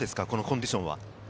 このコンディションは。